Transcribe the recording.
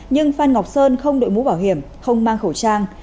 nhưng phan ngọc sơn không đội mũ bảo hiểm không mang khẩu trang